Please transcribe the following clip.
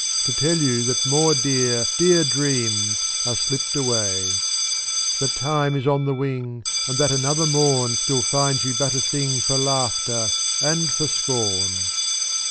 To tell you that more dear, Dear dreams are slipped away; That time is on the wing, And that another morn Still finds you but a thing For laughter and for scorn.